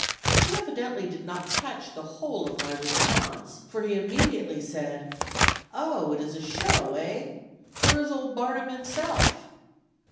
He evidently did not catch the whole of my response, for he immediately said: "Oh, it is a show, eh? Where is old Barnum himself?"